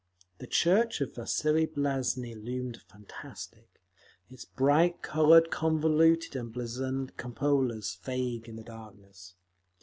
The church of Vasili Blazheiny loomed fantastic, its bright coloured, convoluted and blazoned cupolas vague in the darkness.